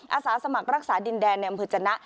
อาสาสมัครรักษาดินแดนในอำเภอจนะ